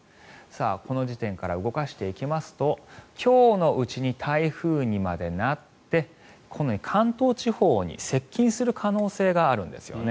この時点から動かしていきますと今日のうちに台風にまでなってこのように関東地方に接近する可能性があるんですよね。